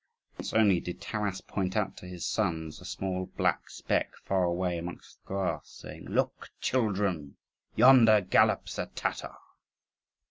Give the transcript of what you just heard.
Once only did Taras point out to his sons a small black speck far away amongst the grass, saying, "Look, children! yonder gallops a Tatar."